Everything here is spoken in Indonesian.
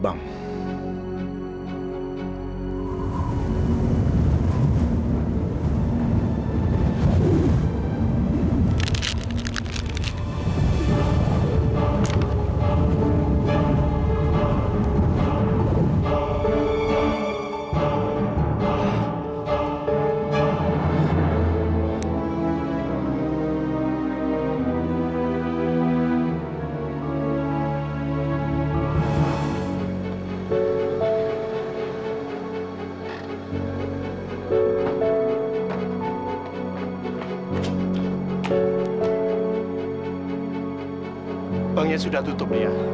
bangnya sudah tutup lya